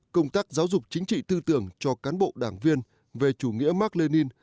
công tác giáo dục chính trị tư tưởng cho cán bộ đảng viên về chủ nghĩa mark lenin